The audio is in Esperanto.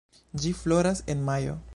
Ĝi floras en majo.